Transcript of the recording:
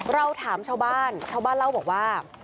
เราถามชาวบ้านชาวบ้านเล่าบอกว่า